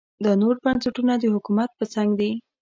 دا نور بنسټونه د حکومت په څنګ دي.